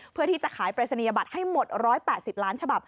เพื่อที่จะขายปริศนียบัตรให้หมด๑๘๐ล้านฉบับ